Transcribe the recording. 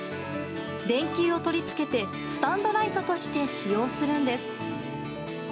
電球を取り付けてスタンドライトとして使用するんです。